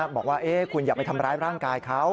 บอกว่าคุณอย่าไปทำร้ายร่างกายเขา